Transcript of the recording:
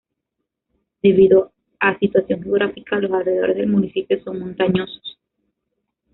Debido a situación geográfica, los alrededores del municipio son montañosos.